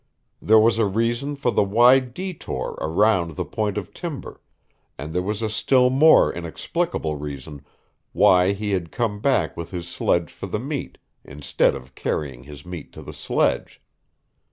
There was a reason for the wide detour around the point of timber, and there was a still more inexplicable reason why he had come back with his sledge for the meat, instead of carrying his meat to the sledge.